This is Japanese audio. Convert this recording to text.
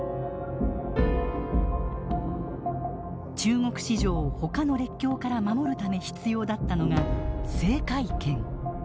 中国市場をほかの列強から守るため必要だったのが制海権。